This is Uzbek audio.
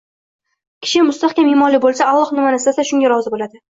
Kishi mustahkam imonli bo‘lsa, Alloh nimani istasa, shunga rozi bo‘ladi.